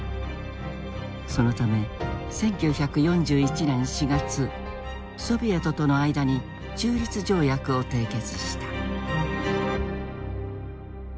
そのため１９４１年４月ソビエトとの間に中立条約を締結した。